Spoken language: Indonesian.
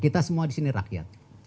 kita semua di sini rakyat